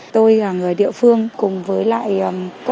tôi là người địa phương cùng với lại các đồng chí